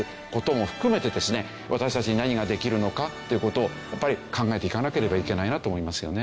私たちに何ができるのかっていう事をやっぱり考えていかなければいけないなと思いますよね。